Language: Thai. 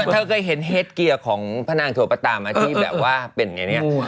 เธอเคยเห็นเฮดเกียร์ของพระนางโถปะตามที่แบบว่าเป็นไงเนี่ย